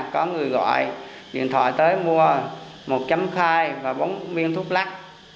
có người gọi điện thoại tới mua một chấm khai và bốn miếng thuốc lắc